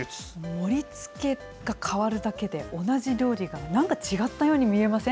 盛りつけが変わるだけで同じ料理がなんか違ったように見えません？